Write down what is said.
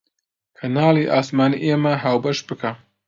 کەناڵی ئاسمانی ئێمە هاوبەش بکە